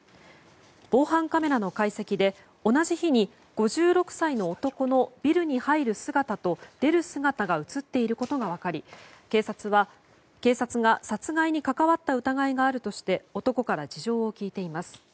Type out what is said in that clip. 防犯カメラの解析で同じ日に５６歳の男のビルに入る姿と出る姿が映っていることが分かり警察が殺害に関わった疑いがあるとして男から事情を聴いています。